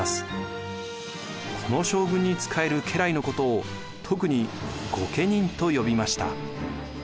この将軍に仕える家来のことを特に御家人と呼びました。